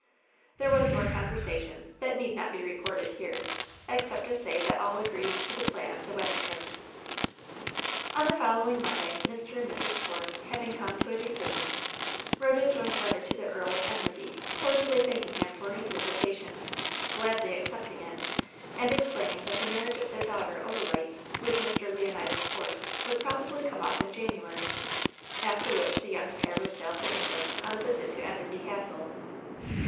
There was more conversation, that need not be re ported here, except to say that all agreed to the plan of the wedding trip. On the following Monday, Mr, and Mrs. Force, hav ing come to a decision, wrote a joint letter to the Earl of Enderby, cordially thanking him for his invitation, gladly accepting it, and explaining that the marriage of their daughter, Odalite, with Mr. Leonidas Force, would probably come off in January, after which the young pair would sail for England on a visit to Enderby Castle.